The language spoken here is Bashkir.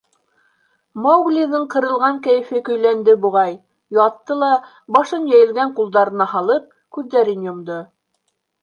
Мауглиҙың ҡырылған кәйефе көйләнде, буғай, ятты ла, башын йәйелгән ҡулдарына һалып, күҙҙәрен йомдо.